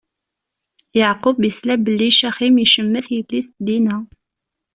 Yeɛqub isla belli Caxim icemmet yelli-s Dina.